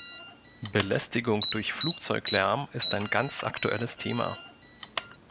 Belästigung durch Flugzeuglärm ist ein ganz aktuelles Thema.